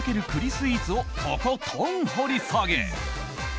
スイーツをとことん掘り下げ。